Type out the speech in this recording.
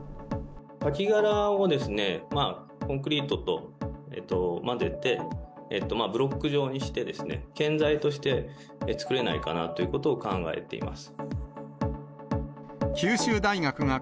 カキ殻をコンクリートと混ぜてブロック状にしてですね、建材として作れないかなということを考えています。